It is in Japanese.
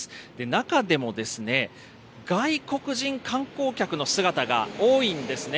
中でも外国人観光客の姿が多いんですね。